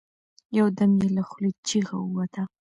يو دم يې له خولې چيغه ووته.